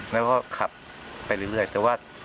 แล้วก็ขับไปเรื่อยแต่ว่า